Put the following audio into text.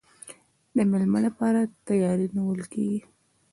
د میلمه لپاره تیاری نیول کیږي.